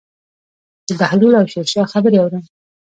د بهلول او شیرشاه خبرې اورم.